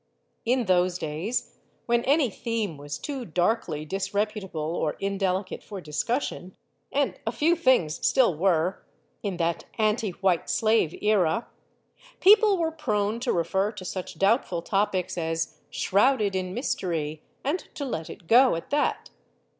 In those days, when any theme was too darkly dis reputable or indelicate for discussion and a few things still were, in that ante white slave era people were prone to refer to such doubtful topics as "shrouded in mystery," and to let it go at that.